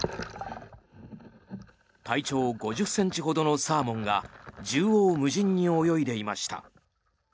体長５０ｃｍほどのサーモンが縦横無尽に泳いでいました。